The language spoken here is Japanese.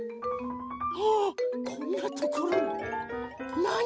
あこんなところに。